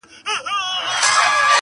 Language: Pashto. په ما ښکلي په نړۍ کي مدرسې دي٫